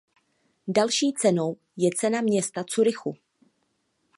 Další cenou je Cena města Curychu.